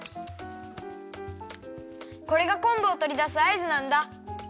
これがこんぶをとりだすあいずなんだ！